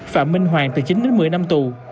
phạm minh hoàng từ chín một mươi năm tù